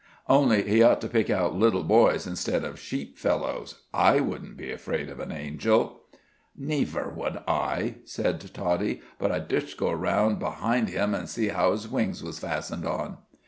"Only he ought to pick out little boys instead of sheep fellows. I wouldn't be afraid of an angel." "Neiver would I," said Toddie, "but I dzust go round behind him an' see how his wings was fastened on."